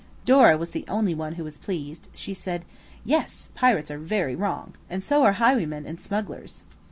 Dora was the only one who was pleased; She said– "Yes, pirates are very wrong. And so are highwaymen and smugglers."